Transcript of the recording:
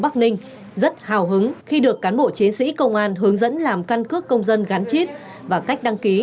công an hướng dẫn làm căn cước công dân gắn chip và cách đăng ký